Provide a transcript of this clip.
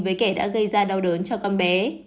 với kẻ đã gây ra đau đớn cho con bé